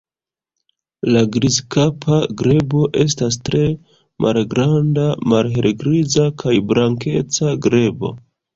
La Grizkapa grebo estas tre malgranda malhelgriza kaj blankeca grebo.